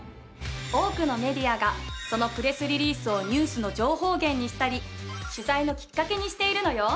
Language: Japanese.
多くのメディアがそのプレスリリースをニュースの情報源にしたり取材のきっかけにしているのよ。